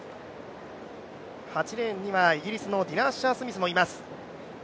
８レーンにはイギリスのディナ・アッシャー・スミスもいます。